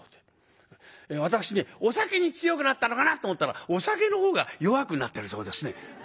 私ねお酒に強くなったのかなと思ったらお酒のほうが弱くなってるそうですね」。